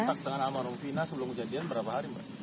pertanyaan sama almarhum fina sebelum kejadian berapa hari mbak